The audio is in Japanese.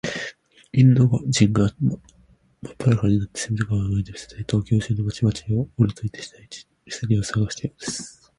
インド人がまっぱだかになって、隅田川を泳いでみせたり、東京中の町々を、うろついてみせたりして、世間をさわがせたことですよ。